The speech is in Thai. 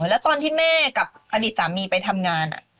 แล้วตอนที่แม่กับอดีตสามีไปทำงาน